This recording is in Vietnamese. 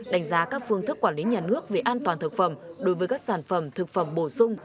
đánh giá các phương thức quản lý nhà nước về an toàn thực phẩm đối với các sản phẩm thực phẩm bổ sung